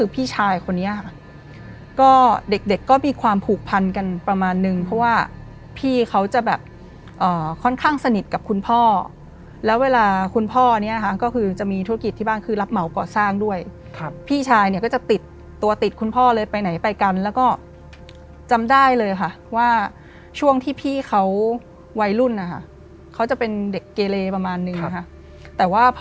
พี่ชายคนนี้ค่ะก็เด็กเด็กก็มีความผูกพันกันประมาณนึงเพราะว่าพี่เขาจะแบบค่อนข้างสนิทกับคุณพ่อแล้วเวลาคุณพ่อเนี่ยนะคะก็คือจะมีธุรกิจที่บ้านคือรับเหมาก่อสร้างด้วยครับพี่ชายเนี่ยก็จะติดตัวติดคุณพ่อเลยไปไหนไปกันแล้วก็จำได้เลยค่ะว่าช่วงที่พี่เขาวัยรุ่นนะคะเขาจะเป็นเด็กเกเลประมาณนึงนะคะแต่ว่าพอ